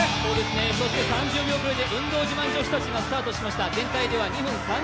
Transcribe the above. そして３０秒遅れで運動自慢女子たちがスタートしました。